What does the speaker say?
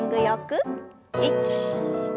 １２。